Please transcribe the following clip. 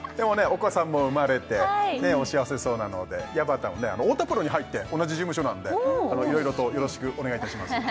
お子さんも生まれてお幸せそうなのでやばたんは太田プロに入って同じ事務所なんでいろいろとよろしくお願いいたします